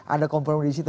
ada kompromisi itu